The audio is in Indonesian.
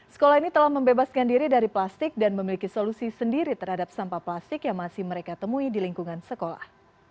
sekolah ini telah membebaskan diri dari plastik dan memiliki solusi sendiri terhadap sampah plastik yang masih mereka temui di lingkungan sekolah